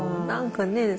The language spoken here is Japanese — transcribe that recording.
何かね